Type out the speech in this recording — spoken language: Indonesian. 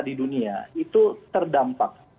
di dunia itu terdampak